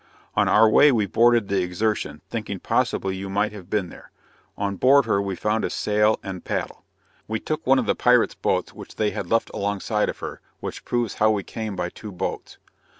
On our way we boarded the Exertion, thinking possibly you might have been there. On board her we found a sail and paddle. We took one of the pirate's boats which they had left along side of her, which proves how we came by two boats.